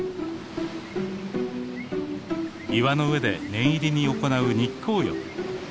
岩の上で念入りに行う日光浴。